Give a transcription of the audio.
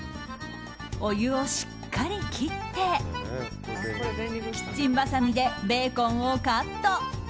お湯をしっかり切ってキッチンばさみでベーコンをカット。